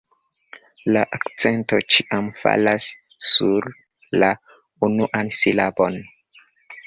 La akcento ĉiam falas sur la unuan silabon.